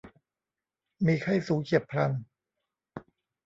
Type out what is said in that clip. มีไข้สูงเฉียบพลัน